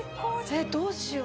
えっどうしよう。